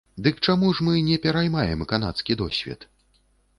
Дык чаму ж мы не пераймаем канадскі досвед?